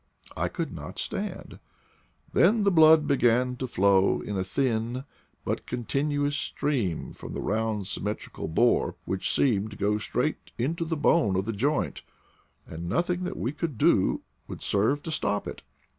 I could not stand. Then the blood began to flow in a thin but continuous stream from the round symmetrical bore which seemed to go straight into the bone of the joint, and nothing that we could do would serve to stop it.